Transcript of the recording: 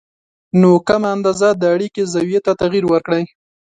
نو کمه اندازه د اړیکې زاویې ته تغیر ورکړئ